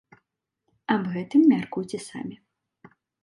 Аб гэтым мяркуйце самі.